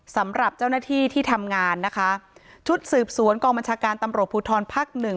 สำหรับเจ้าหน้าที่ที่ทำงานนะคะชุดสืบสวนกองบัญชาการตำรวจภูทรภักดิ์หนึ่ง